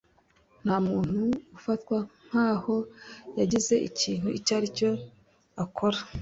nta muntu ufatwa nk'aho yagize ikintu icyo ari cyo akora